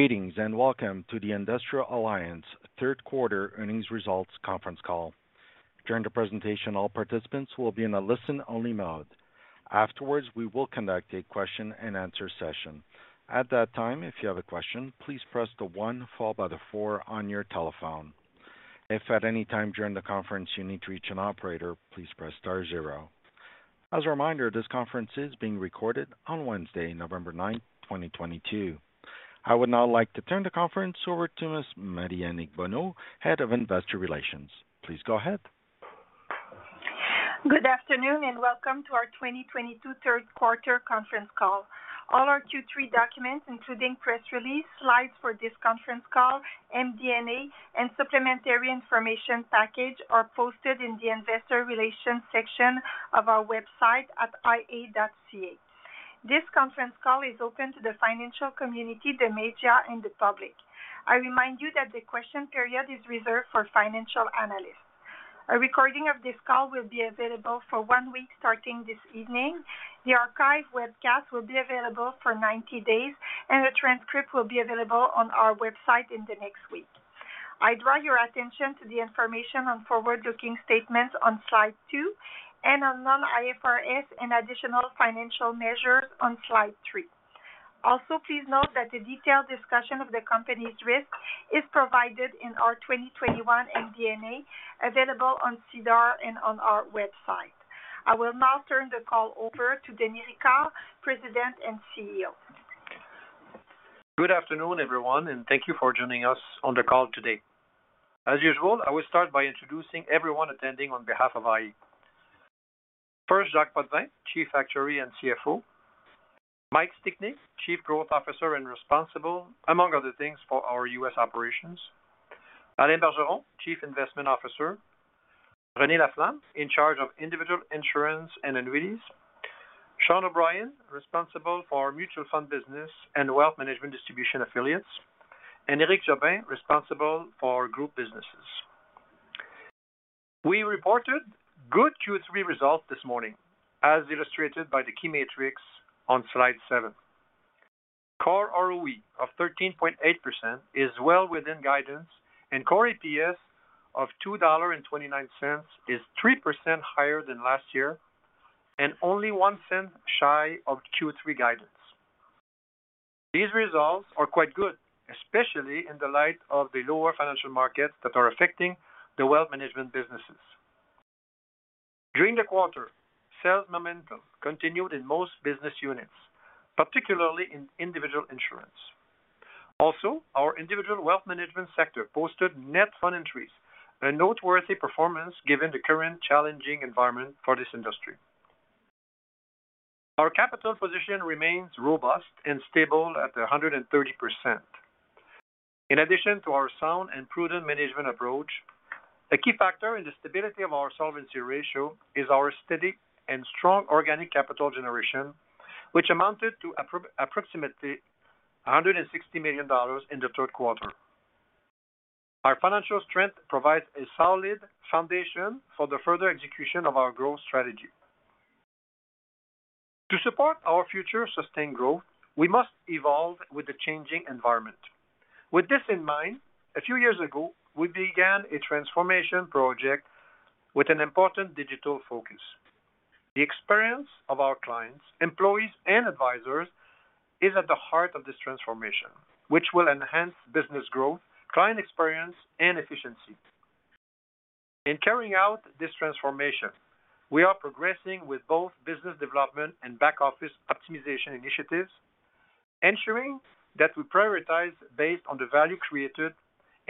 Greetings, and welcome to the iA Financial Group Third Quarter Earnings Results Conference Call. During the presentation, all participants will be in a listen-only mode. Afterwards, we will conduct a question-and-answer session. At that time, if you have a question, please press the one followed by the four on your telephone. If at any time during the conference you need to reach an operator, please press star zero. As a reminder, this conference is being recorded on Wednesday, November 9th, 2022. I would now like to turn the conference over to Ms. Marie-Annick Bonneau, Head of Investor Relations. Please go ahead. Good afternoon, and welcome to our 2022 Third Quarter Conference Call. All our Q3 documents, including press release, slides for this conference call, MD&A, and supplementary information package, are posted in the investor relations section of our website at ia.ca. This conference call is open to the financial community, the media, and the public. I remind you that the question period is reserved for financial analysts. A recording of this call will be available for one week starting this evening. The archive webcast will be available for 90 days, and a transcript will be available on our website in the next week. I draw your attention to the information on forward-looking statements on slide 2 and on non-IFRS and additional financial measures on slide 3. Also, please note that the detailed discussion of the company's risk is provided in our 2021 MD&A available on SEDAR and on our website. I will now turn the call over to Denis Ricard, President and CEO. Good afternoon, everyone, and thank you for joining us on the call today. As usual, I will start by introducing everyone attending on behalf of iA. First, Jacques Potvin, Chief Actuary and CFO. Mike Stickney, Chief Growth Officer and responsible, among other things, for our U.S. operations. Alain Bergeron, Chief Investment Officer. Renée Laflamme, in charge of individual insurance and annuities. Sean O'Brien, responsible for our mutual fund business and wealth management distribution affiliates. Éric Jobin, responsible for group businesses. We reported good Q3 results this morning, as illustrated by the key metrics on slide 7. Core ROE of 13.8% is well within guidance, and core EPS of 2.29 dollar is 3% higher than last year and only one cent shy of Q3 guidance. These results are quite good, especially in light of the lower financial markets that are affecting the wealth management businesses. During the quarter, sales momentum continued in most business units, particularly in individual insurance. Also, our individual wealth management sector posted net fund entries, a noteworthy performance given the current challenging environment for this industry. Our capital position remains robust and stable at 130%. In addition to our sound and prudent management approach, a key factor in the stability of our solvency ratio is our steady and strong organic capital generation, which amounted to approximately 160 million dollars in the 3rd quarter. Our financial strength provides a solid foundation for the further execution of our growth strategy. To support our future sustained growth, we must evolve with the changing environment. With this in mind, a few years ago, we began a transformation project with an important digital focus. The experience of our clients, employees, and advisors is at the heart of this transformation, which will enhance business growth, client experience, and efficiency. In carrying out this transformation, we are progressing with both business development and back office optimization initiatives, ensuring that we prioritize based on the value created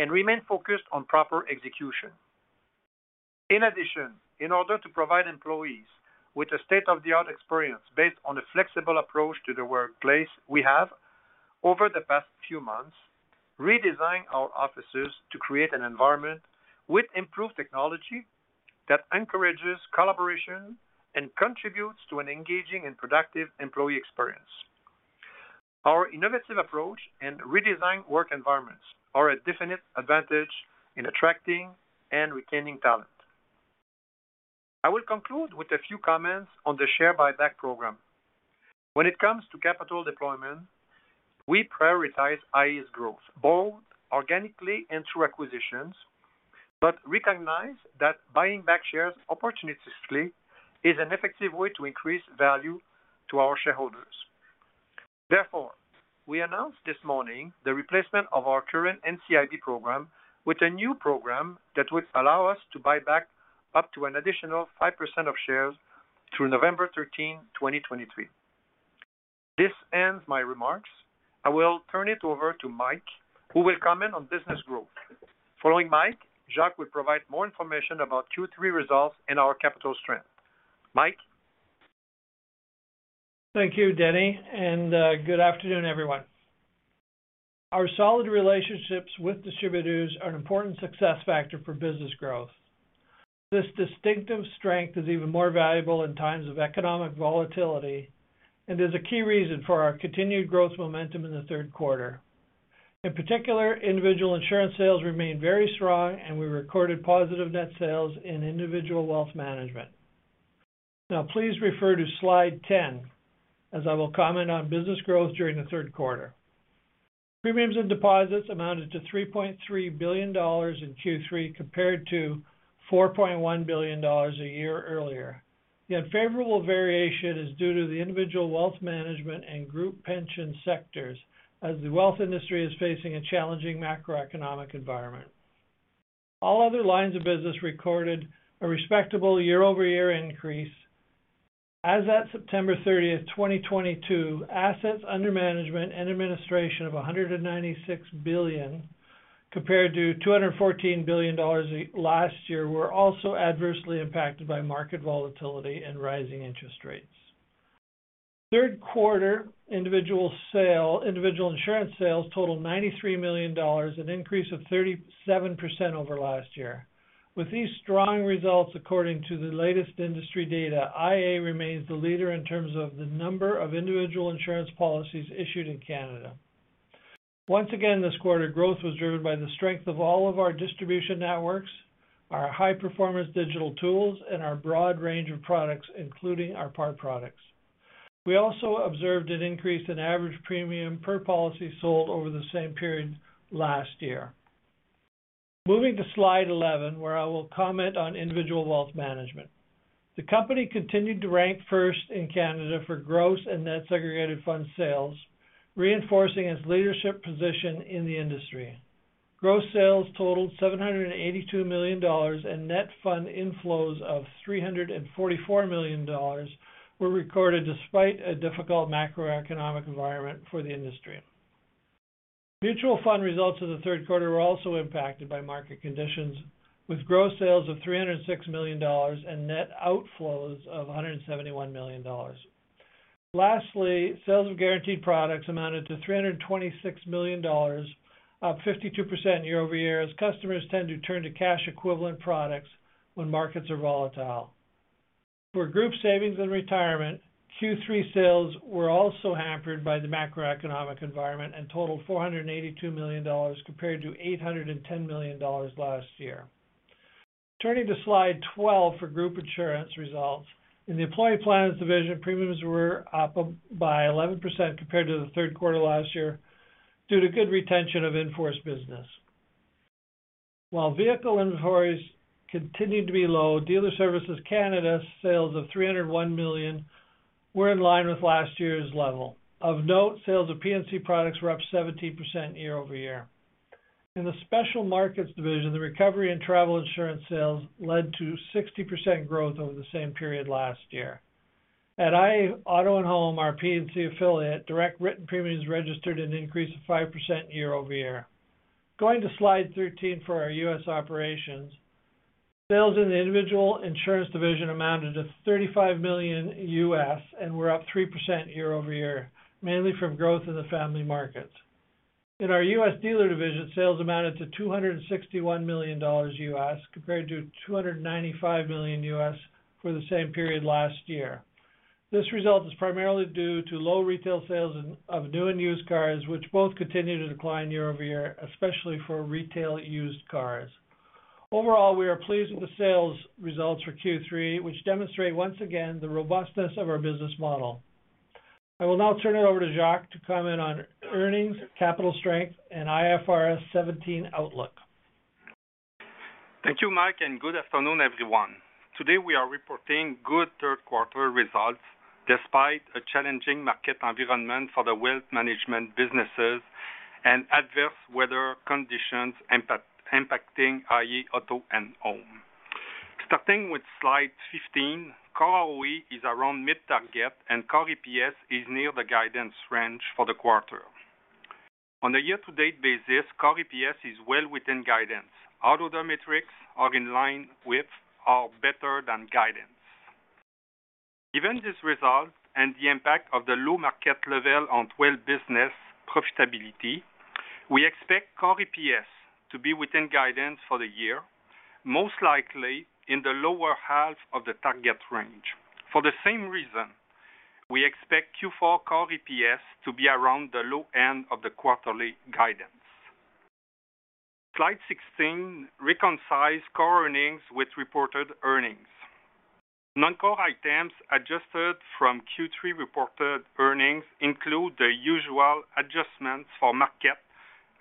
and remain focused on proper execution. In addition, in order to provide employees with a state-of-the-art experience based on a flexible approach to the workplace, we have, over the past few months, redesigned our offices to create an environment with improved technology that encourages collaboration and contributes to an engaging and productive employee experience. Our innovative approach and redesigned work environments are a definite advantage in attracting and retaining talent. I will conclude with a few comments on the share buyback program. When it comes to capital deployment, we prioritize iA's growth, both organically and through acquisitions, but recognize that buying back shares opportunistically is an effective way to increase value to our shareholders. Therefore, we announced this morning the replacement of our current NCIB program with a new program that would allow us to buy back up to an additional 5% of shares through November 13th, 2023. This ends my remarks. I will turn it over to Mike, who will comment on business growth. Following Mike, Jacques will provide more information about Q3 results and our capital strength. Mike? Thank you, Denis, and good afternoon, everyone. Our solid relationships with distributors are an important success factor for business growth. This distinctive strength is even more valuable in times of economic volatility and is a key reason for our continued growth momentum in the 3rd quarter. In particular, individual insurance sales remained very strong, and we recorded positive net sales in individual wealth management. Now please refer to slide 10 as I will comment on business growth during the 3rd quarter. Premiums and deposits amounted to 3.3 billion dollars in Q3 compared to 4.1 billion dollars a year earlier. The unfavorable variation is due to the individual wealth management and group pension sectors as the wealth industry is facing a challenging macroeconomic environment. All other lines of business recorded a respectable year-over-year increase. As at September 30th, 2022, assets under management and administration of 196 billion compared to 214 billion dollars last year were also adversely impacted by market volatility and rising interest rates. 3rd quarter individual sales, individual insurance sales totaled 93 million dollars, an increase of 37% over last year. With these strong results according to the latest industry data, iA remains the leader in terms of the number of individual insurance policies issued in Canada. Once again, this quarter growth was driven by the strength of all of our distribution networks, our high performance digital tools, and our broad range of products, including our PAR products. We also observed an increase in average premium per policy sold over the same period last year. Moving to slide 11, where I will comment on individual wealth management. The company continued to rank first in Canada for gross and net segregated fund sales, reinforcing its leadership position in the industry. Gross sales totaled 782 million dollars and net fund inflows of 344 million dollars were recorded despite a difficult macroeconomic environment for the industry. Mutual fund results in the 3rd quarter were also impacted by market conditions, with gross sales of 306 million dollars and net outflows of 171 million dollars. Lastly, sales of guaranteed products amounted to 326 million dollars, up 52% year-over-year, as customers tend to turn to cash equivalent products when markets are volatile. For group savings and retirement, Q3 sales were also hampered by the macroeconomic environment and totaled 482 million dollars compared to 810 million dollars last year. Turning to slide 12 for group insurance results. In the Employee Plans division, premiums were up by 11% compared to the 3rd quarter last year due to good retention of in-force business. While vehicle inventories continued to be low, iA Dealer Services sales of 301 million were in line with last year's level. Of note, sales of P&C products were up 17% year-over-year. In the Special Markets division, the creditor and travel insurance sales led to 60% growth over the same period last year. At iA Auto and Home, our P&C affiliate, direct written premiums registered an increase of 5% year-over-year. Going to slide 13 for our U.S. operations. Sales in the individual insurance division amounted to $35 million and were up 3% year-over-year, mainly from growth in the family markets. In our U.S. dealer division, sales amounted to $261 million compared to $295 million for the same period last year. This result is primarily due to low retail sales of new and used cars, which both continue to decline year-over-year, especially for retail used cars. Overall, we are pleased with the sales results for Q3, which demonstrate once again the robustness of our business model. I will now turn it over to Jacques to comment on earnings, capital strength, and IFRS 17 outlook. Thank you, Mike, and good afternoon, everyone. Today, we are reporting good 3rd quarter results despite a challenging market environment for the wealth management businesses and adverse weather conditions impacting iA Auto and Home. Starting with slide 15, Core ROE is around mid target and Core EPS is near the guidance range for the quarter. On a year-to-date basis, Core EPS is well within guidance. All other metrics are in line with or better than guidance. Given this result and the impact of the low market level on wealth business profitability, we expect Core EPS to be within guidance for the year, most likely in the lower half of the target range. For the same reason, we expect Q4 Core EPS to be around the low end of the quarterly guidance. Slide 16 reconciles core earnings with reported earnings. Non-core items adjusted from Q3 reported earnings include the usual adjustments for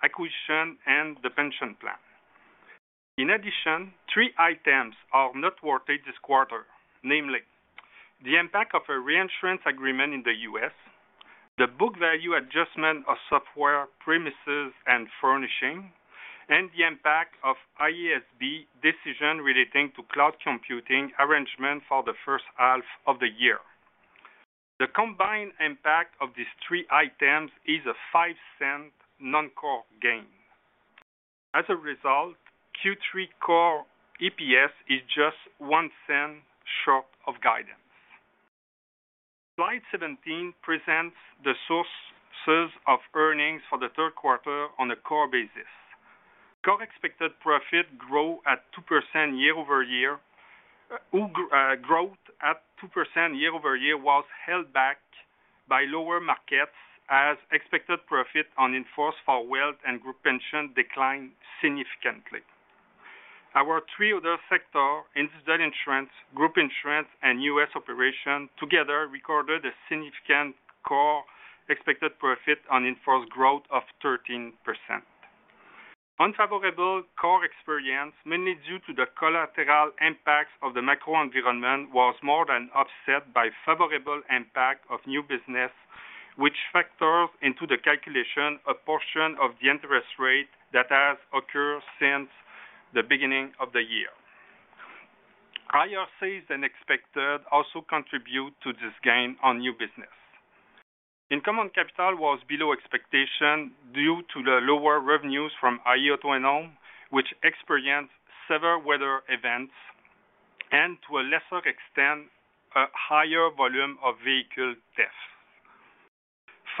market acquisition and the pension plan. In addition, three items are noteworthy this quarter. Namely, the impact of a reinsurance agreement in the U.S., the book value adjustment of software premises and furnishing, and the impact of IASB decision relating to cloud computing arrangement for the 1st half of the year. The combined impact of these three items is a 0.05 non-core gain. As a result, Q3 core EPS is just 0.01 short of guidance. Slide 17 presents the sources of earnings for the 3rd quarter on a core basis. Core expected profit grew 2% year-over-year. Growth at 2% year-over-year was held back by lower markets as expected profit on in-force for wealth and group pension declined significantly. Our three other sectors, Individual Insurance, Group Insurance, and U.S. operations together recorded a significant core expected profit on in-force growth of 13%. Unfavorable core experience, mainly due to the collateral impacts of the macro environment, was more than offset by favorable impact of new business, which factors into the calculation a portion of the interest rate that has occurred since the beginning of the year. Higher fees than expected also contribute to this gain on new business. Income on capital was below expectation due to the lower revenues from iA Auto and Home, which experienced severe weather events and to a lesser extent, a higher volume of vehicle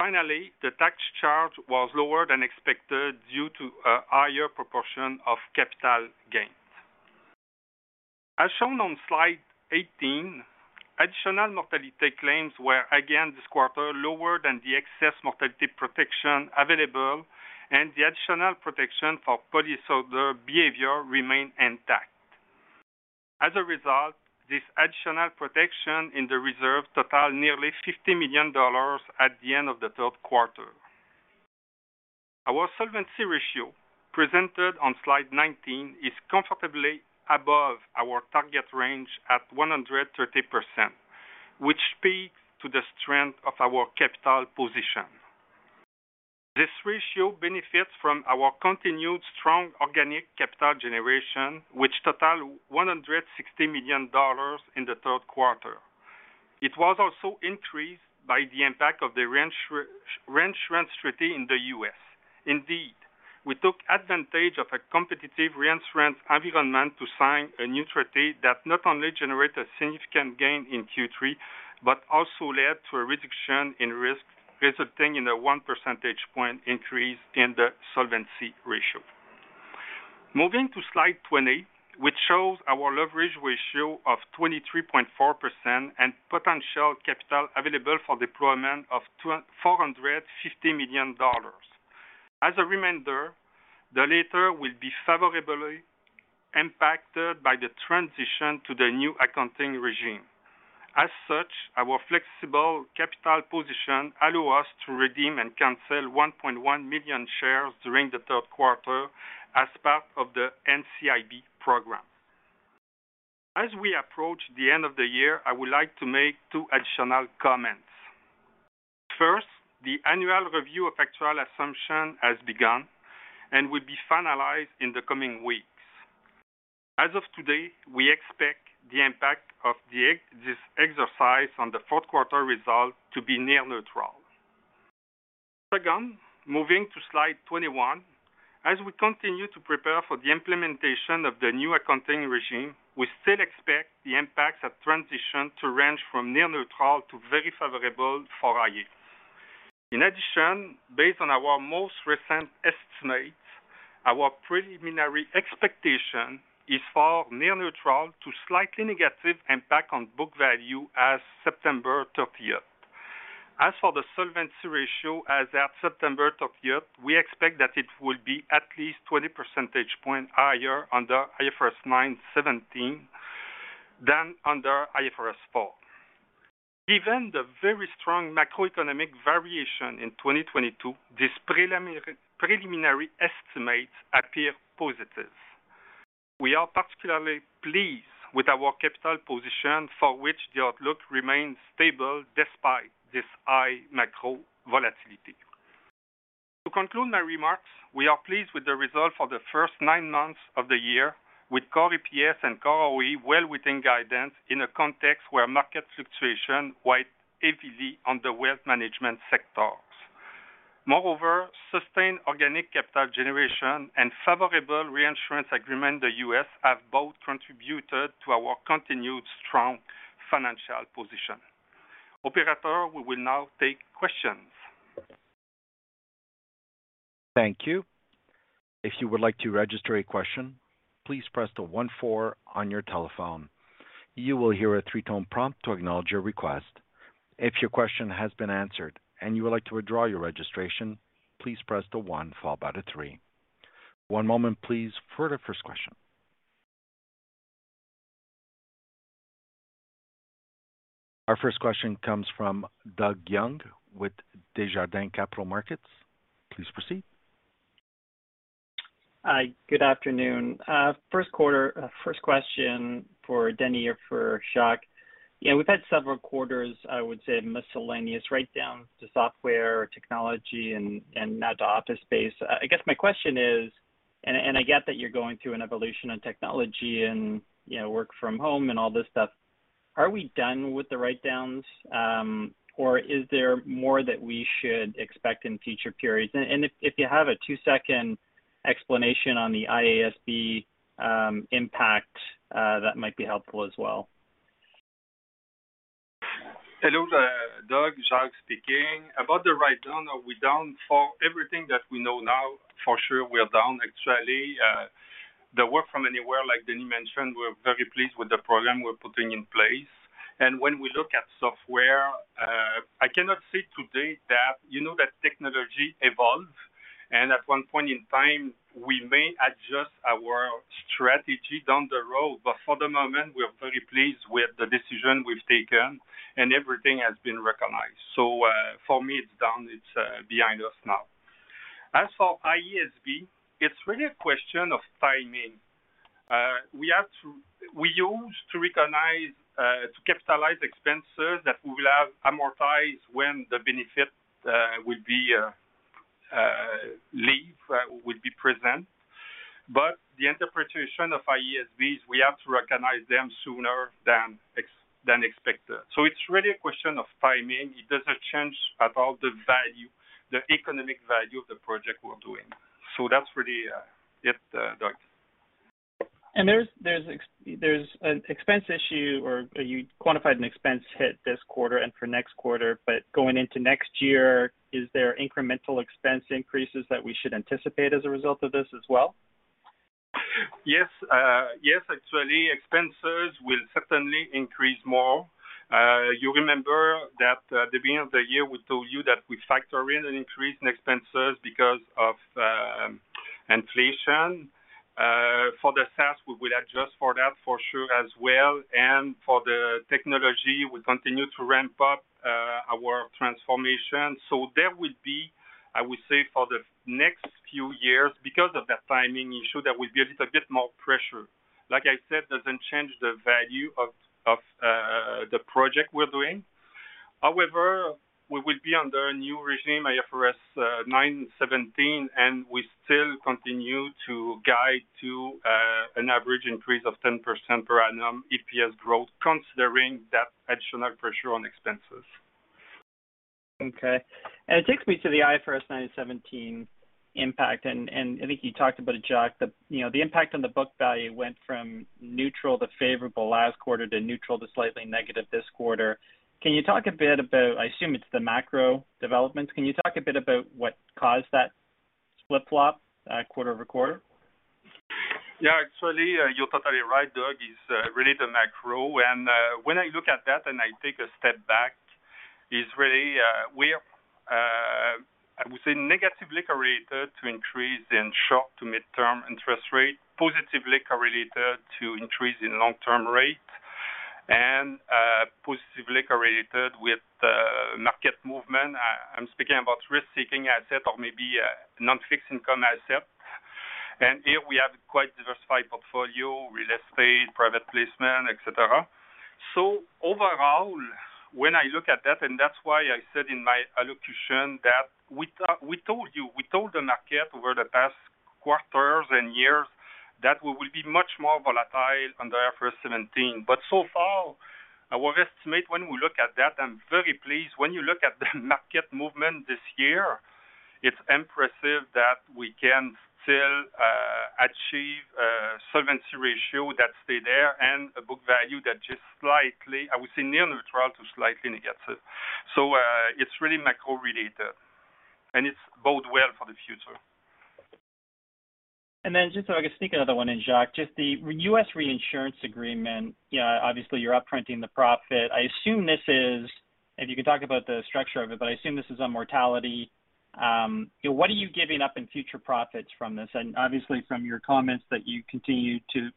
thefts. Finally, the tax charge was lower than expected due to a higher proportion of capital gains. As shown on slide 18, additional mortality claims were again this quarter lower than the excess mortality protection available, and the additional protection for policyholder behavior remained intact. As a result, this additional protection in the reserve totaled nearly 50 million dollars at the end of the 3rd quarter. Our solvency ratio, presented on slide 19, is comfortably above our target range at 130%, which speaks to the strength of our capital position. This ratio benefits from our continued strong organic capital generation, which totaled 160 million dollars in the 3rd quarter. It was also increased by the impact of the reinsurance treaty in the U.S. Indeed, we took advantage of a competitive reinsurance environment to sign a new treaty that not only generated significant gain in Q3, but also led to a reduction in risk, resulting in a one percentage point increase in the solvency ratio. Moving to slide 20, which shows our leverage ratio of 23.4% and potential capital available for deployment of 2,450 million dollars. As a reminder, the latter will be favorably impacted by the transition to the new accounting regime. As such, our flexible capital position allow us to redeem and cancel 1.1 million shares during the 3rd quarter as part of the NCIB program. As we approach the end of the year, I would like to make two additional comments. First, the annual review of actuarial assumption has begun and will be finalized in the coming weeks. As of today, we expect the impact of this exercise on the 4th quarter result to be near neutral. Second, moving to slide 21. We continue to prepare for the implementation of the new accounting regime. We still expect the impacts of transition to range from near neutral to very favorable for iA. In addition, based on our most recent estimates, our preliminary expectation is for near neutral to slightly negative impact on book value as of September 30th. As for the solvency ratio as at September 30th, we expect that it will be at least 20 percentage points higher under IFRS 9 and IFRS 17 than under IFRS 4. Given the very strong macroeconomic variation in 2022, this preliminary estimate appears positive. We are particularly pleased with our capital position, for which the outlook remains stable despite this high macro volatility. To conclude my remarks, we are pleased with the result for the first nine months of the year with core EPS and core ROE well within guidance in a context where market fluctuation weighed heavily on the wealth management sectors. Moreover, sustained organic capital generation and favorable reinsurance agreement in the U.S. have both contributed to our continued strong financial position. Operator, we will now take questions. Thank you. If you would like to register a question, please press the one four on your telephone. You will hear a three-tone prompt to acknowledge your request. If your question has been answered and you would like to withdraw your registration, please press the one followed by the three. One moment please for the first question. Our first question comes from Doug Young with Desjardins Capital Markets. Please proceed. Hi, good afternoon. 1st quarter first question for Denis or for Jacques. Yeah, we've had several quarters, I would say, miscellaneous write-downs to software, technology and now to office space. I guess my question is, and I get that you're going through an evolution in technology and, you know, work from home and all this stuff. Are we done with the write-downs, or is there more that we should expect in future periods? And if you have a two-second explanation on the IASB impact, that might be helpful as well. Hello, Doug. Jacques speaking. About the write-down, are we done? For everything that we know now, for sure we are done. Actually, the work from anywhere, like Denis mentioned, we're very pleased with the program we're putting in place. When we look at software, I cannot say today that, you know, that technology evolves, and at one point in time, we may adjust our strategy down the road. For the moment, we are very pleased with the decision we've taken, and everything has been recognized. For me, it's done. It's behind us now. As for IFRS 17, it's really a question of timing. We have to capitalize expenses that we will have amortized when the benefit will be realized. The interpretation of IASB is we have to recognize them sooner than expected. It's really a question of timing. It doesn't change at all the value, the economic value of the project we're doing. That's really, Doug. There's an expense issue or you quantified an expense hit this quarter and for next quarter. Going into next year, is there incremental expense increases that we should anticipate as a result of this as well? Yes. Yes, actually, expenses will certainly increase more. You remember that at the beginning of the year, we told you that we factor in an increase in expenses because of inflation. For the SaaS, we will adjust for that for sure as well. For the technology, we continue to ramp up our transformation. There will be, I would say, for the next few years because of that timing issue that will be a little bit more pressure. Like I said, doesn't change the value of the project we're doing. However, we will be under a new regime, IFRS 17, and we still continue to guide to an average increase of 10% per annum EPS growth, considering that additional pressure on expenses. Okay. It takes me to the IFRS 9 and IFRS 17 impact. I think you talked about it, Jacques. You know, the impact on the book value went from neutral to favorable last quarter to neutral to slightly negative this quarter. I assume it's the macro developments. Can you talk a bit about what caused that flip-flop quarter-over-quarter? Yeah, actually, you're totally right, Doug. It's really the macro. When I look at that and I take a step back, is really we are I would say negatively correlated to increase in short to mid-term interest rate, positively correlated to increase in long-term rate and positively correlated with the market movement. I'm speaking about risk-seeking asset or maybe non-fixed income asset. Here we have quite diversified portfolio, real estate, private placement, et cetera. Overall, when I look at that, and that's why I said in my allocution that we told you, we told the market over the past quarters and years that we will be much more volatile under IFRS 17. So far, our estimate when we look at that, I'm very pleased. When you look at the market movement this year, it's impressive that we can still achieve solvency ratio that stay there and a book value that just slightly, I would say, near neutral to slightly negative. It's really macro related, and it's bode well for the future. Just so I can sneak another one in, Jacques, just the U.S. reinsurance agreement, you know, obviously you're upfronting the profit. I assume this is, if you could talk about the structure of it, but I assume this is on mortality. What are you giving up in future profits from this? Obviously from your comments that you continue to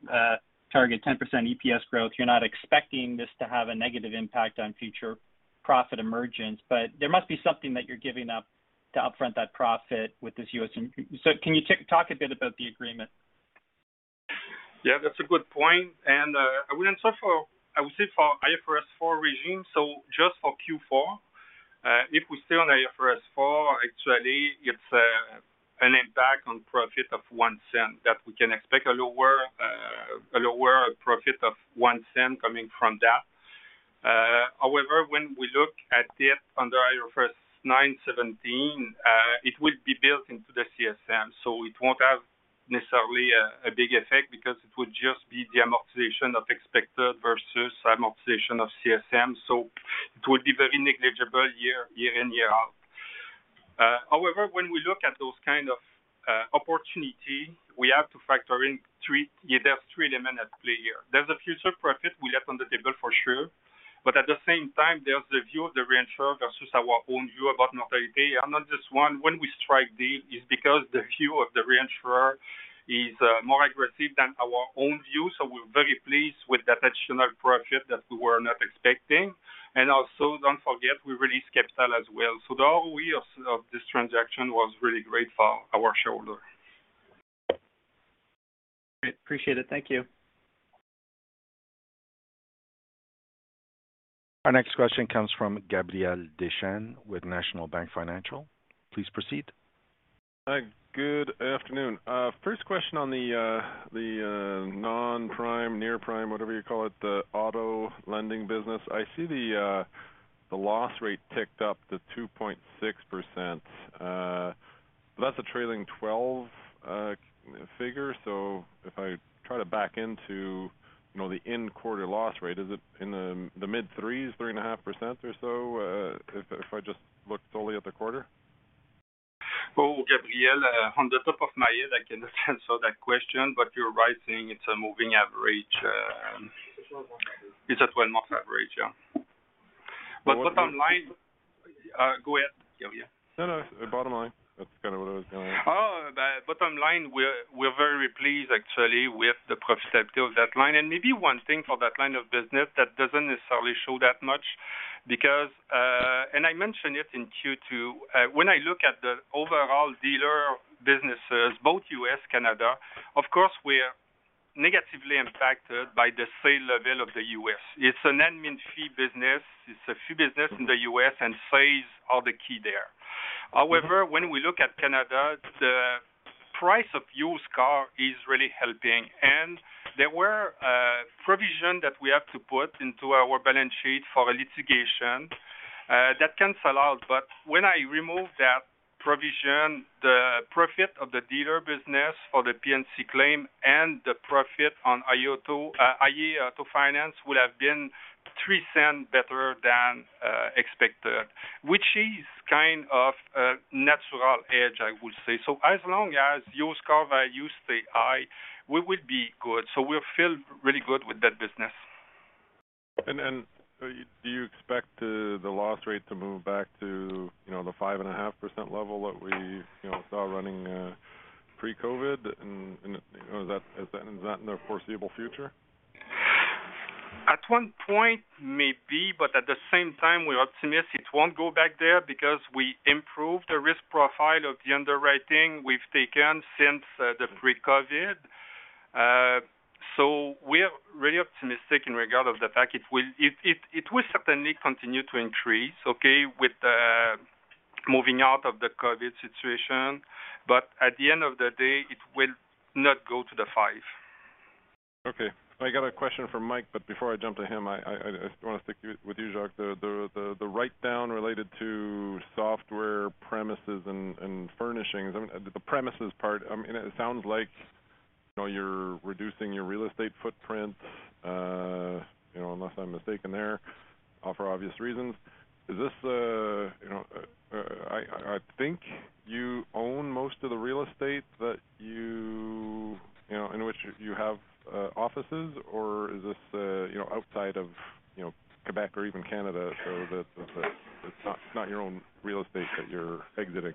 target 10% EPS growth, you're not expecting this to have a negative impact on future profit emergence. But there must be something that you're giving up to upfront that profit with this U.S. So can you talk a bit about the agreement? Yeah, that's a good point. I wouldn't say for-- I would say for IFRS 4 regime, so just for Q4, if we stay on IFRS 4, actually, it's an impact on profit of 0.01 that we can expect a lower profit of 0.01 coming from that. However, when we look at it under IFRS 9 and IFRS 17, it will be built into the CSM. So it won't have necessarily a big effect because it would just be the amortization of expected versus amortization of CSM. So it would be very negligible year in, year out. However, when we look at those kind of opportunity, we have to factor in three-- there's three elements at play here. There's a future profit we left on the table for sure. At the same time, there's the view of the reinsurer versus our own view about mortality. Not just one, when we strike deal, it's because the view of the reinsurer is more aggressive than our own view. We're very pleased with that additional profit that we were not expecting. Also, don't forget, we released capital as well. The whole view of this transaction was really great for our shareholder. Great. Appreciate it. Thank you. Our next question comes from Gabriel Dechaine with National Bank Financial. Please proceed. Good afternoon. First question on the non-prime, near-prime, whatever you call it, the auto lending business. I see the loss rate ticked up to 2.6%. That's a trailing 12 figure. So if I try to back into, you know, the end quarter loss rate, is it in the mid threes, 3.5% or so, if I just look solely at the quarter? Oh, Gabriel, off the top of my head I cannot answer that question, but you're right, it's a moving average. It's a 12-month average. It's a 12-month average, yeah. But bottom line. Go ahead, Gabriel. No, no, the bottom line. That's kind of what I was gonna ask. Oh, the bottom line, we're very pleased actually with the profitability of that line. Maybe one thing for that line of business that doesn't necessarily show that much because I mentioned it in Q2, when I look at the overall dealer businesses, both U.S., Canada, of course, we're negatively impacted by the sales level of the U.S. It's an admin fee business. It's a fee business in the U.S., and fees are the key there. However, when we look at Canada, the price of used cars is really helping. There were provisions that we have to put into our balance sheet for a litigation that can settle out. When I remove that provision, the profit of the dealer business for the P&C claim and the profit on iA Auto, iA Auto Finance would have been 0.03 better than expected, which is kind of a natural edge, I would say. As long as used car values stay high, we will be good. We feel really good with that business. Do you expect the loss rate to move back to, you know, the 5.5% level that we, you know, saw running pre-COVID, and is that in the foreseeable future? At one point, maybe, but at the same time, we're optimistic it won't go back there because we improved the risk profile of the underwriting we've taken since the pre-COVID. So we're really optimistic in regard of the fact it will certainly continue to increase, okay, with the moving out of the COVID situation, but at the end of the day, it will not go to the five. Okay. I got a question from Mike, but before I jump to him, I just wanna stick with you, Jacques. The write down related to software, premises and furnishings. I mean, the premises part, I mean, it sounds like, you know, you're reducing your real estate footprint, you know, unless I'm mistaken there, for obvious reasons. Is this, you know, I think you own most of the real estate in which you have offices, or is this, you know, outside of, you know, Quebec or even Canada, so that it's not your own real estate that you're exiting?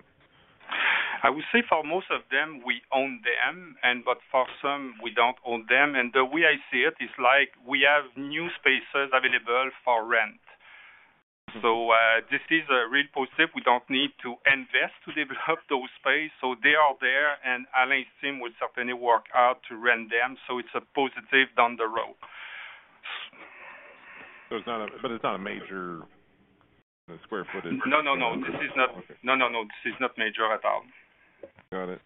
I would say for most of them, we own them, but for some, we don't own them. The way I see it is like we have new spaces available for rent. This is a real positive. We don't need to invest to develop those space. They are there, and Alain's team would certainly work out to rent them, so it's a positive down the road. It's not a major square footage. No. Okay. No, no. This is not major at all. Got it.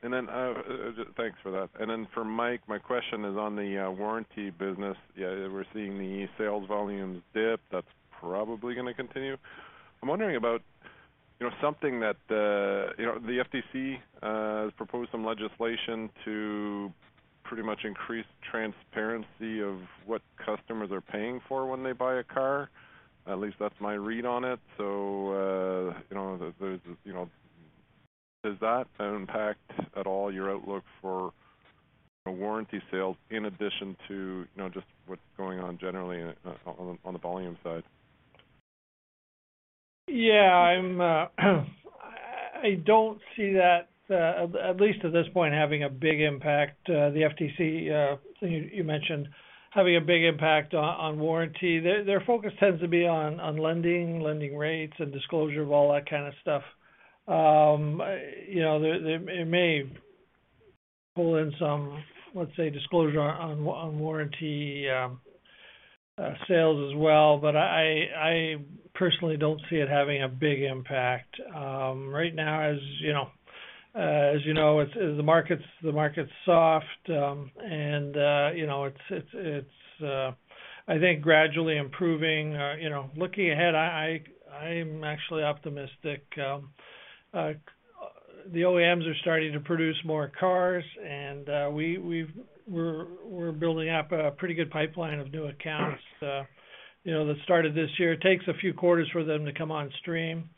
Thanks for that. For Mike, my question is on the warranty business. Yeah, we're seeing the sales volumes dip. That's probably gonna continue. I'm wondering about, you know, something that, you know, the FTC has proposed some legislation to pretty much increase transparency of what customers are paying for when they buy a car. At least that's my read on it. You know, does that impact at all your outlook for warranty sales in addition to, you know, just what's going on generally on the volume side? Yeah. I don't see that, at least at this point, having a big impact, the FTC you mentioned having a big impact on warranty. Their focus tends to be on lending, lending rates and disclosure of all that kind of stuff. You know, it may pull in some, let's say, disclosure on warranty sales as well, but I personally don't see it having a big impact. Right now, as you know, the market's soft. You know, it's, I think, gradually improving, you know. Looking ahead, I'm actually optimistic. The OEMs are starting to produce more cars, and we're building up a pretty good pipeline of new accounts, you know, that started this year. It takes a few quarters for them to come on stream.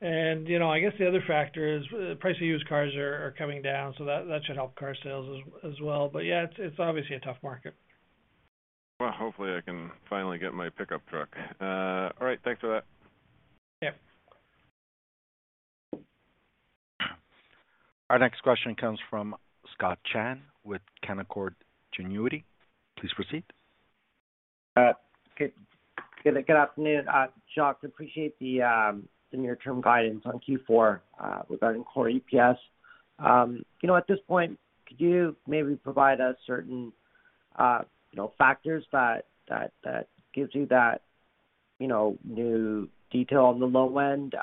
You know, I guess the other factor is the price of used cars are coming down, so that should help car sales as well. Yeah, it's obviously a tough market. Well, hopefully, I can finally get my pickup truck. All right, thanks for that. Yeah. Our next question comes from Scott Chan with Canaccord Genuity. Please proceed. Good afternoon. Jacques, appreciate the near term guidance on Q4 regarding Core EPS. You know, at this point, could you maybe provide us certain, you know, factors that gives you that, you know, new detail on the low end?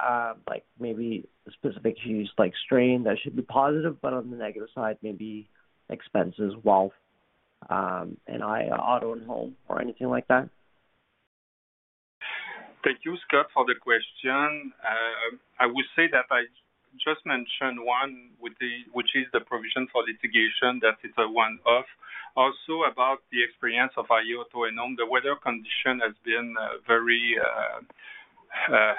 Like maybe specific issues like strain that should be positive, but on the negative side, maybe expenses, wealth, and auto and home or anything like that. Thank you, Scott, for the question. I would say that I just mentioned one, which is the provision for litigation that is a one-off. Also about the experience of 2022 and on, the weather condition has been very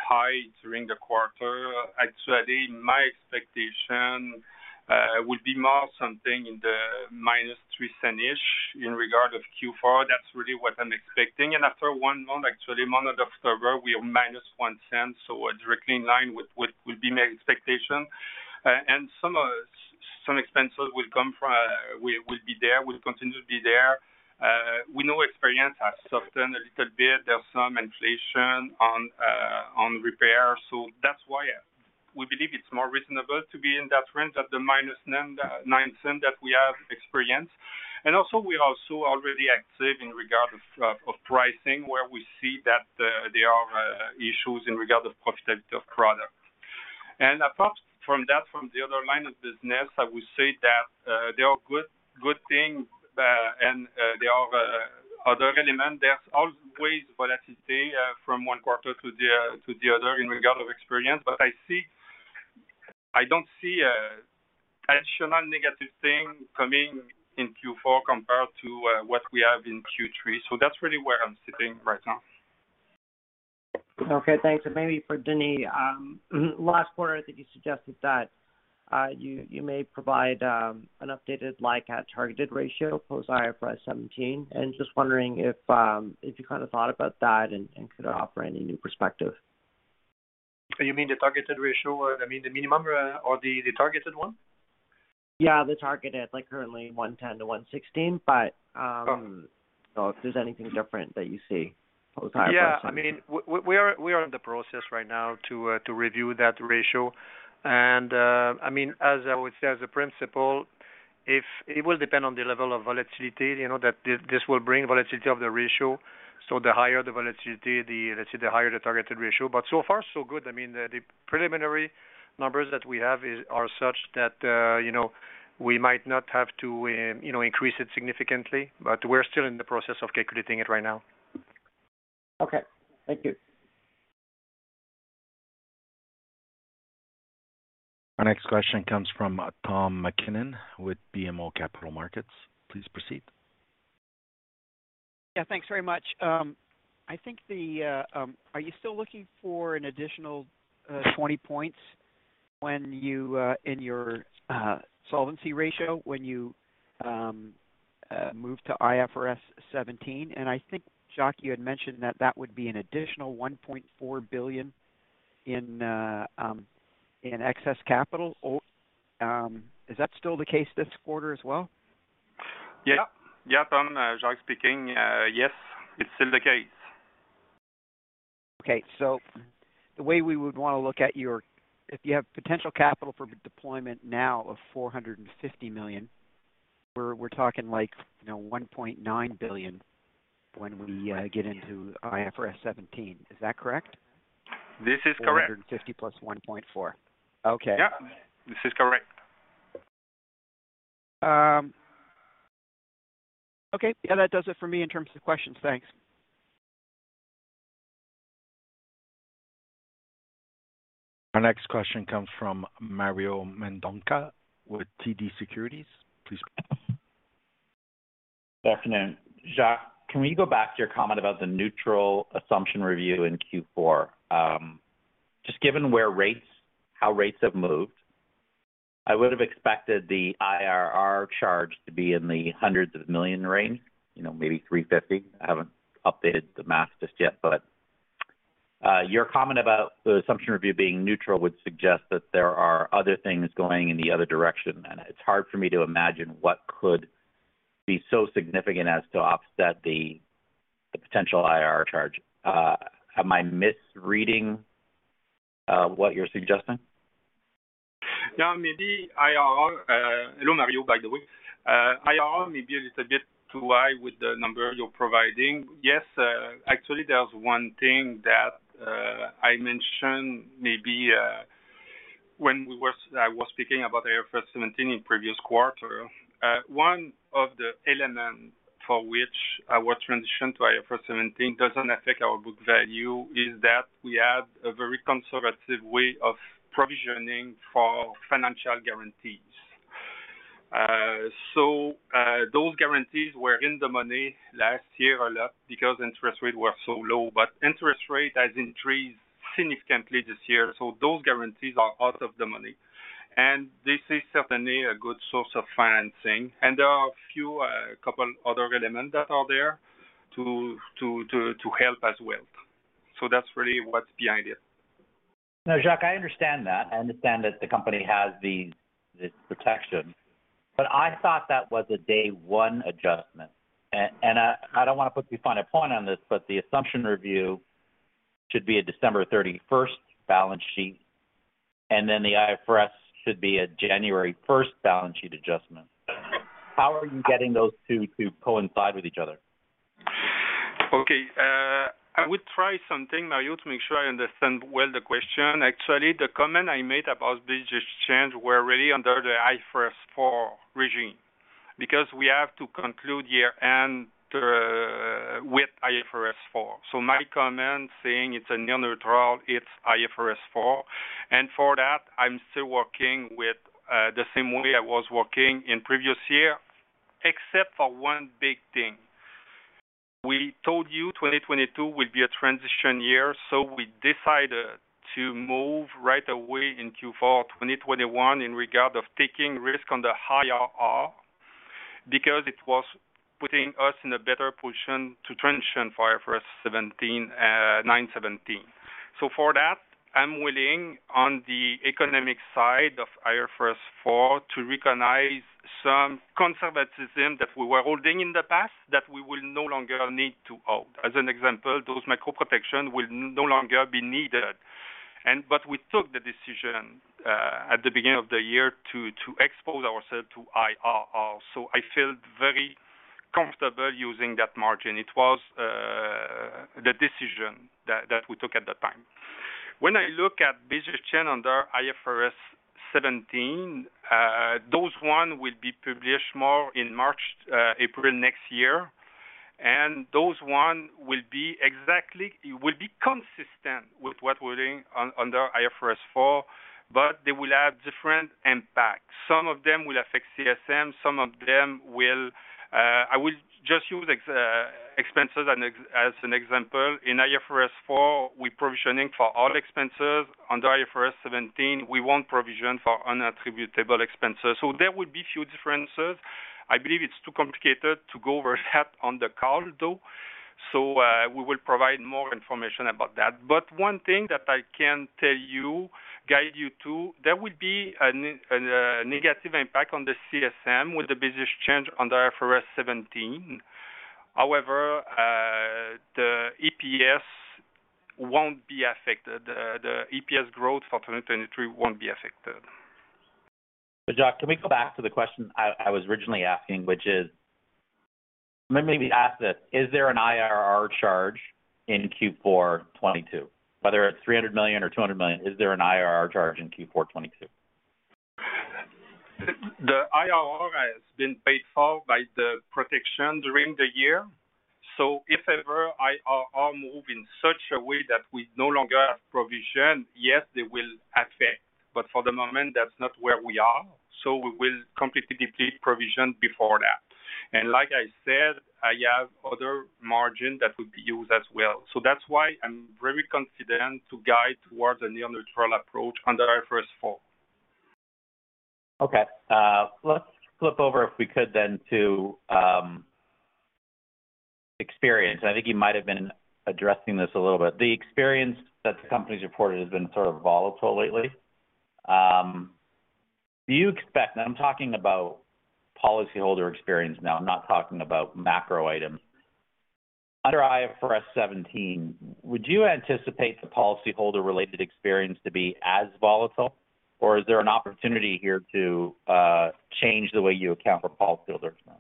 high during the quarter. Actually, my expectation would be more something in the -0.03-ish in regard of Q4. That's really what I'm expecting. After one month, actually month of October, we are -0.01, so we're directly in line with my expectation. Some expenses will be there, will continue to be there. We know experience has softened a little bit. There's some inflation on repair. That's why we believe it's more reasonable to be in that range at the -0.09 that we have experienced. Also we are also already active in regard of pricing, where we see that there are issues in regard of profitability of product. Apart from that, from the other line of business, I would say that there are good things and there are other element. There's always volatility from one quarter to the other in regard of experience. I don't see an additional negative thing coming in Q4 compared to what we have in Q3. That's really where I'm sitting right now. Okay, thanks. Maybe for Denis. Last quarter, I think you suggested that you may provide an updated like a targeted ratio post IFRS 17, and just wondering if you kind of thought about that and could offer any new perspective. You mean the targeted ratio, I mean the minimum or the targeted one? Yeah, the targeted, like currently 1.10-1.16. If there's anything different that you see post IFRS? Yeah. I mean, we are in the process right now to review that ratio. I mean, as I would say, as a principle, if it will depend on the level of volatility, you know, that this will bring volatility of the ratio. The higher the volatility, let's say, the higher the targeted ratio. So far so good. I mean, the preliminary numbers that we have are such that, you know, we might not have to, you know, increase it significantly, but we're still in the process of calculating it right now. Okay. Thank you. Our next question comes from Tom MacKinnon with BMO Capital Markets. Please proceed. Yeah, thanks very much. Are you still looking for an additional 20 points in your solvency ratio when you move to IFRS 17? I think, Jacques, you had mentioned that that would be an additional 1.4 billion in excess capital. Is that still the case this quarter as well? Yeah. Yeah, Tom. Jacques speaking. Yes, it's still the case. Okay. The way we would wanna look at if you have potential capital for deployment now of 450 million, we're talking like, you know, 1.9 billion when we get into IFRS 17. Is that correct? This is correct. 450 million plus 1.4 billion. Okay. Yeah, this is correct. Okay. Yeah, that does it for me in terms of questions. Thanks. Our next question comes from Mario Mendonca with TD Securities. Please proceed. Good afternoon. Jacques, can we go back to your comment about the neutral assumption review in Q4? Just given how rates have moved, I would have expected the IRR charge to be in the hundreds of millions range, you know, maybe 350 million. I haven't updated the math just yet, but your comment about the assumption review being neutral would suggest that there are other things going in the other direction. It's hard for me to imagine what could be so significant as to offset the potential IRR charge. Am I misreading what you're suggesting? No, maybe IRR. Hello, Mario, by the way. IRR may be a little bit too high with the number you're providing. Yes, actually, there's one thing that I mentioned maybe when I was speaking about IFRS 17 in previous quarter. One of the element for which our transition to IFRS 17 doesn't affect our book value is that we have a very conservative way of provisioning for financial guarantees. Those guarantees were in the money last year a lot because interest rate were so low. Interest rate has increased significantly this year, so those guarantees are out of the money. This is certainly a good source of financing. There are a few couple other elements that are there to help as well. That's really what's behind it. No, Jacques, I understand that. I understand that the company has the protection, but I thought that was a day one adjustment. I don't wanna put too fine a point on this, but the assumption review should be a December 31st balance sheet, and then the IFRS should be a January 1st balance sheet adjustment. How are you getting those two to coincide with each other? Okay. I would try something, Mario, to make sure I understand well the question. Actually, the comment I made about this change were really under the IFRS 4 regime, because we have to conclude year-end, with IFRS 4. My comment saying it's a near neutral, it's IFRS 4. For that, I'm still working with, the same way I was working in previous year, except for one big thing. We told you 2022 will be a transition year, so we decided to move right away in Q4 2021 in regard of taking risk on the higher IRR because it was putting us in a better position to transition for IFRS 17, nine seventeen. For that, I'm willing, on the economic side of IFRS 4, to recognize some conservatism that we were holding in the past that we will no longer need to hold. As an example, those macro protection will no longer be needed. We took the decision at the beginning of the year to expose ourselves to IRR. I feel very comfortable using that margin. It was the decision that we took at that time. When I look at business plan under IFRS 17, those ones will be published more in March, April next year. Those ones will be exactly consistent with what we're doing under IFRS 4, but they will have different impact. Some of them will affect CSM. Some of them will. I will just use expenses as an example. In IFRS 4, we're provisioning for all expenses. Under IFRS 17, we won't provision for unattributable expenses. There will be few differences. I believe it's too complicated to go over that on the call, though. We will provide more information about that. One thing that I can tell you, guide you to, there will be a negative impact on the CSM with the business change under IFRS 17. However, the EPS won't be affected. The EPS growth for 2023 won't be affected. Jacques, can we go back to the question I was originally asking, which is, let me maybe ask this. Is there an IRR charge in Q4 2022? Whether it's 300 million or 200 million, is there an IRR charge in Q4 2022? The IRR has been paid for by the protection during the year. If ever IRR move in such a way that we no longer have provision, yes, they will affect. For the moment, that's not where we are. We will completely deplete provision before that. Like I said, I have other margin that would be used as well. That's why I'm very confident to guide towards a near neutral approach under IFRS 4. Okay. Let's flip over, if we could then, to experience. I think you might have been addressing this a little bit. The experience that the company's reported has been sort of volatile lately. Do you expect? Now, I'm talking about policyholder experience now. I'm not talking about macro items. Under IFRS 17, would you anticipate the policyholder-related experience to be as volatile, or is there an opportunity here to change the way you account for policyholders now?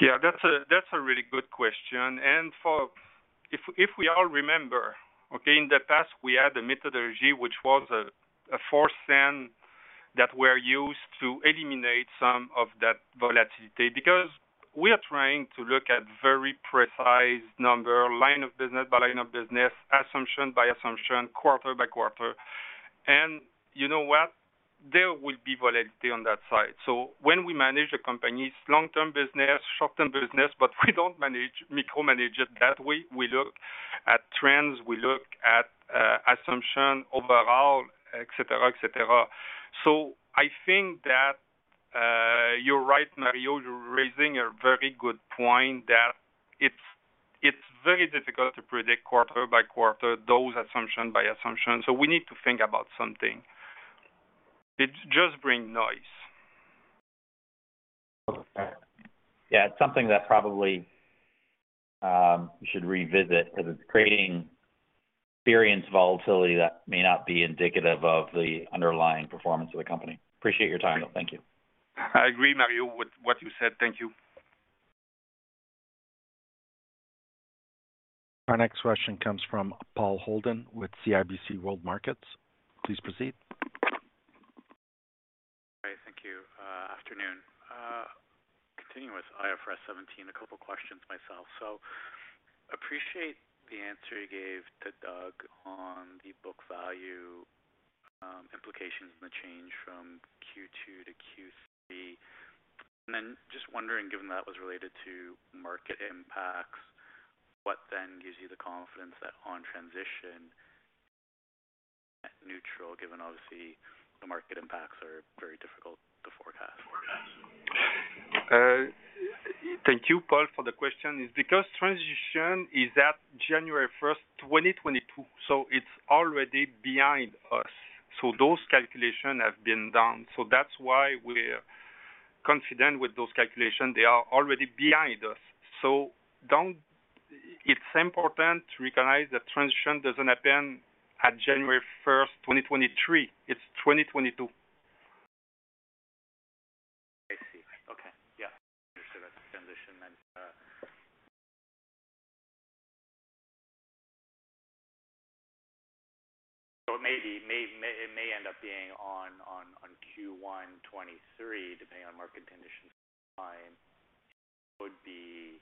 Yeah, that's a really good question. If we all remember, okay, in the past we had a methodology which was a four-step that were used to eliminate some of that volatility. Because we are trying to look at very precise number, line of business by line of business, assumption by assumption, quarter-by-quarter. You know what? There will be volatility on that side. When we manage a company's long-term business, short-term business, but we don't manage, micromanage it that way. We look at trends, we look at assumption overall, et cetera, et cetera. I think that you're right, Mario, you're raising a very good point that it's very difficult to predict quarter-by-quarter those assumption by assumption. We need to think about something. It just bring noise. Yeah, it's something that probably should revisit because it's creating experience volatility that may not be indicative of the underlying performance of the company. Appreciate your time, though. Thank you. I agree, Mario, with what you said. Thank you. Our next question comes from Paul Holden with CIBC World Markets. Please proceed. Hi. Thank you. Afternoon. Continuing with IFRS 17, a couple questions myself. Appreciate the answer you gave to Doug on the book value implications and the change from Q2 to Q3. Just wondering, given that was related to market impacts, what then gives you the confidence that on transition net neutral, given obviously the market impacts are very difficult to forecast? Thank you, Paul, for the question. It's because transition is at January 1st, 2022, so it's already behind us. Those calculation have been done. That's why we're confident with those calculation. They are already behind us. It's important to recognize that transition doesn't happen at January 1st, 2023. It's 2022. I see. Okay. Yeah. Understood. That's transition then. It may end up being on Q1 2023, depending on market conditions at the time would be.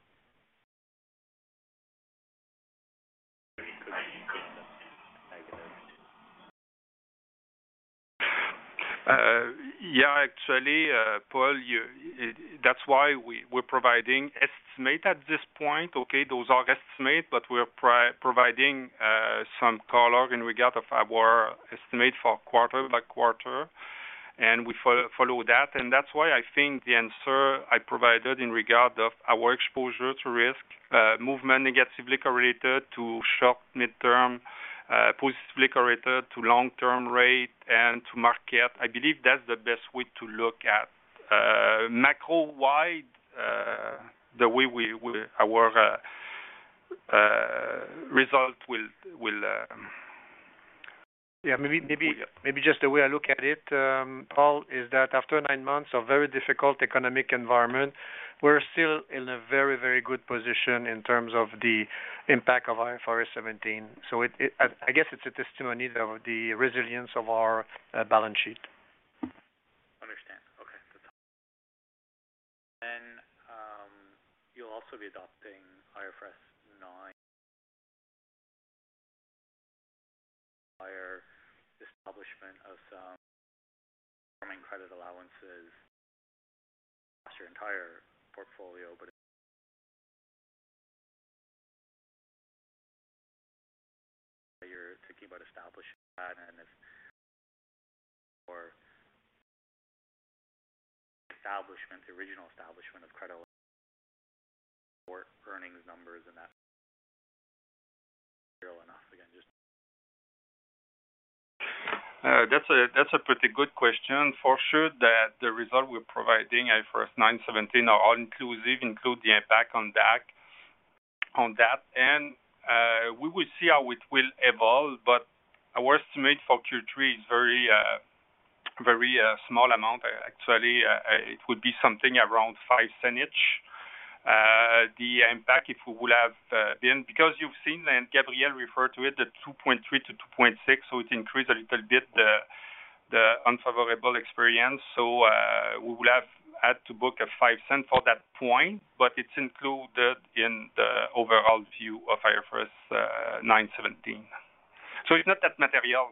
Yeah, actually, Paul, that's why we're providing estimate at this point. Okay, those are estimate, but we are providing some color in regard of our estimate for quarter-by-quarter, and we follow that. That's why I think the answer I provided in regard of our exposure to risk movement negatively correlated to short-term, positively correlated to long-term rate and to market. I believe that's the best way to look at macro-wide the way our result will. Yeah, maybe just the way I look at it, Paul, is that after nine months of very difficult economic environment, we're still in a very, very good position in terms of the impact of IFRS 17. I guess it's a testimony of the resilience of our balance sheet. Understand. Okay. You'll also be adopting IFRS 9. It requires establishment of some credit allowances on your entire portfolio, but you're thinking about establishing that and if the original establishment of credit or earnings numbers is material enough. Again, just That's a pretty good question. For sure that the result we're providing, IFRS 9, 17, are all inclusive, include the impact on that end. We will see how it will evolve, but our estimate for Q3 is very small amount. Actually, it would be something around 0.05 each. The impact, if we would have been, because you've seen, and Gabriel referred to it, the 2.3-2.6, so it increased a little bit, the unfavorable experience. We would have had to book 0.05 for that point, but it's included in the overall view of IFRS 9, IFRS 17. It's not that material.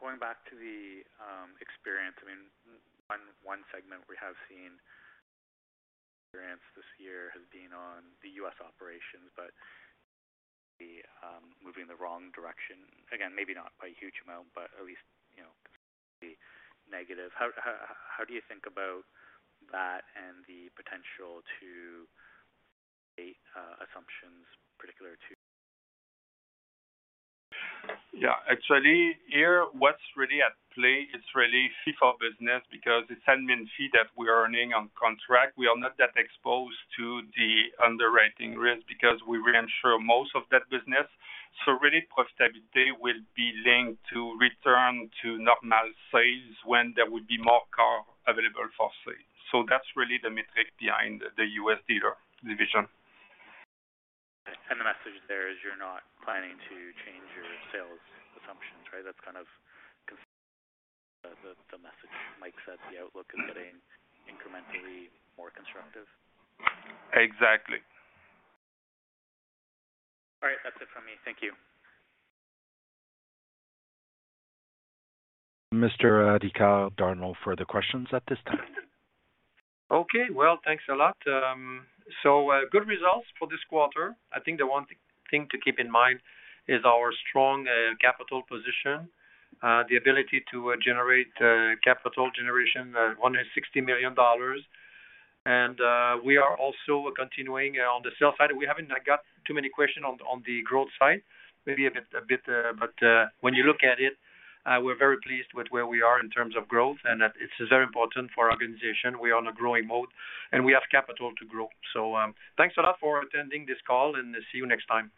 Going back to the experience, I mean, one segment we have seen experience this year has been on the U.S. operations, but they're moving in the wrong direction. Again, maybe not by a huge amount, but at least, you know, negative. How do you think about that and the potential to assumptions particular to- Yeah. Actually, here what's really at play is really F&I business because it's admin fee that we are earning on contract. We are not that exposed to the underwriting risk because we reinsure most of that business. Really profitability will be linked to return to normal sales when there would be more cars available for sale. That's really the metric behind the iA Dealer Services. The message there is you're not planning to change your sales assumptions, right? That's kind of the message. Mike said the outlook is getting incrementally more constructive. Exactly. All right. That's it from me. Thank you. Mr. Ricard, there are no further questions at this time. Okay. Well, thanks a lot. So, good results for this quarter. I think the thing to keep in mind is our strong capital position, the ability to generate capital generation, 160 million dollars. We are also continuing on the sales side. We haven't got too many questions on the growth side, maybe a bit, but when you look at it, we're very pleased with where we are in terms of growth, and that it's very important for our organization. We are on a growing mode, and we have capital to grow. Thanks a lot for attending this call, and see you next time.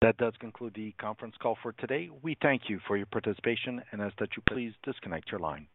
That does conclude the conference call for today. We thank you for your participation and ask that you please disconnect your line.